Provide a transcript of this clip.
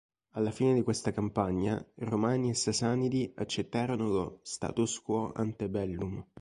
Alla fine di questa campagna Romani e Sasanidi accettarono lo "status quo ante bellum".